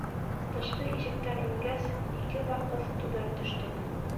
Тышҡы ишектән ингәс, ике баҫҡыс түбән төштөк.